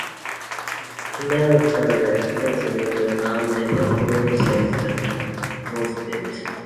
Himmelfarb humanizes and democratizes that concept.